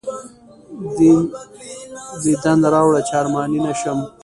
دیدن راوړه چې ارماني نه شم.